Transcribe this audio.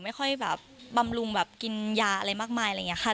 ไม่ค่อยแบบบำรุงแบบกินยาอะไรมากมายอะไรอย่างนี้ค่ะ